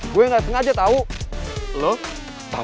kenapa kamu dapur apaan